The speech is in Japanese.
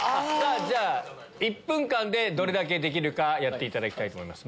じゃ１分間でどれだけできるかやっていただきたいと思います。